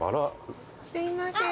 すいません。